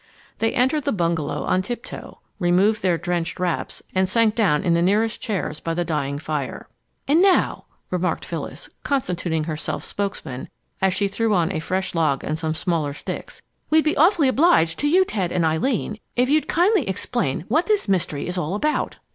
They entered the bungalow on tiptoe, removed their drenched wraps, and sank down in the nearest chairs by the dying fire. "And now," remarked Phyllis, constituting herself spokesman, as she threw on a fresh log and some smaller sticks, "we'd be awfully obliged to you, Ted and Eileen, if you'll kindly explain what this mystery is all about!"